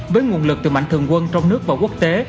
với nguồn lực từ mạnh thường quân trong nước và quốc tế